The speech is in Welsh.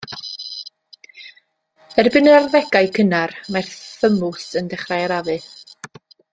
Erbyn yr arddegau cynnar, mae'r thymws yn dechrau arafu.